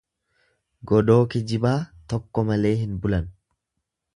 Godoo kijibaa tokko malee hin bulan.